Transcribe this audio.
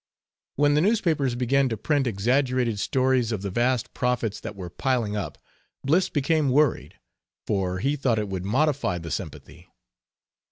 When the newspapers began to print exaggerated stories of the vast profits that were piling up, Bliss became worried, for he thought it would modify the sympathy.